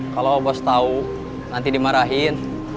kalau bos tau nanti dimarahin